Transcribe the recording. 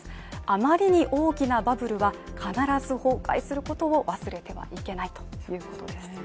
あまりに大きなバブルは必ず崩壊することを忘れてはいけないということですね